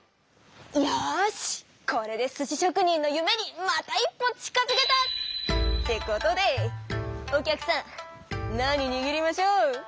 よしこれで寿司しょく人のゆめにまた一歩近づけた！ってことでお客さん何にぎりましょう？